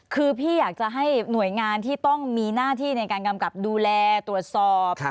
คือพี่อยากจะให้หน่วยงานที่ต้องมีหน้าที่ในการกำกับดูแลตรวจสอบ